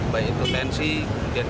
baik itu juga dengan penyelamat